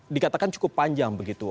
dikatakan cukup panjang begitu